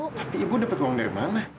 tapi ibu dapat uang dari mana